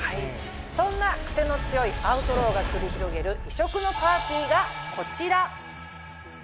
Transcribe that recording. そんなクセの強いアウトローが繰り広げる異色のパーティがこちら。